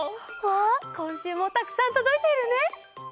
わあこんしゅうもたくさんとどいているね。